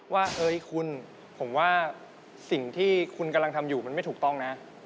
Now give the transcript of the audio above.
ว่าเอ้ยคุณผมว่าสิ่งที่คุณกำลังทำอยู่มันไม่ถูกต้องนะ